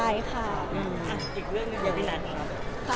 อีกเรื่องนึงเกี่ยวกับพี่นัทค่ะ